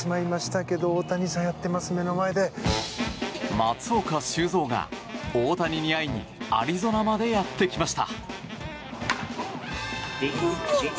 松岡修造が大谷に会いにアリゾナまでやってきました。